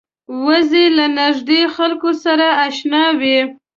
وزې له نږدې خلکو سره اشنا وي